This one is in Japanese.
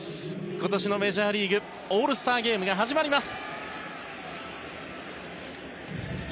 今年のメジャーリーグオールスターゲームが始まります。